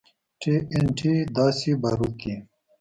ټي ان ټي داسې باروت دي.